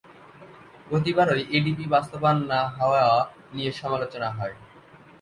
প্রতিবারই এডিপি বাস্তবায়ন না হওয়া নিয়ে সমালোচনা হয়।